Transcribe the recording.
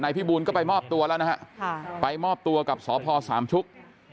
พี่บูลก็ไปมอบตัวแล้วนะฮะไปมอบตัวกับสพสามชุก